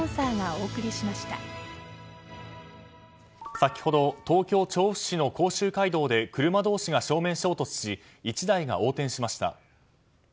先ほど東京・調布市の甲州街道で車同士が正面衝突し１台が横転しました。